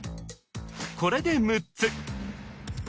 これで６つ